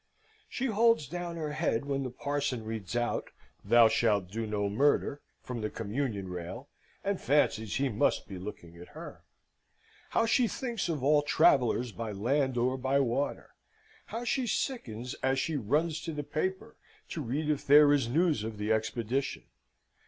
She holds down her head when the parson reads out, "Thou shalt do no murder," from the communion rail, and fancies he must be looking at her. How she thinks of all travellers by land or by water! How she sickens as she runs to the paper to read if there is news of the Expedition!